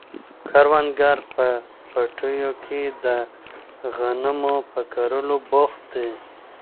کروندګر په پټیو کې د غنمو په کرلو بوخت دي.